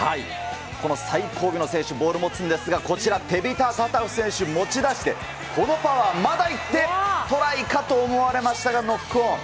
この最後尾の選手、ボール持つんですが、こちら、テビタ・タタフ選手、持ち出して、このパワー、まだ行って、トライかと思われましたが、ノックオン。